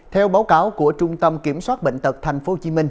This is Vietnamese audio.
theo báo cáo của trung tâm kiểm soát bệnh tật tp hcm